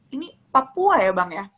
ini papua ya bang ya